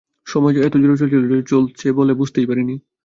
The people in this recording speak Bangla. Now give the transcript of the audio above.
সময় এত জোরে চলছিল যে, চলছে বলে বুঝতেই পারি নি।